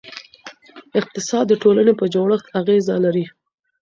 اقتصاد د ټولنې په جوړښت اغېزه لري.